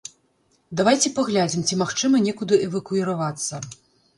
Давайце паглядзім, ці магчыма некуды эвакуіравацца.